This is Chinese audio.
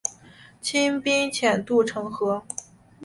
清兵潜渡城河。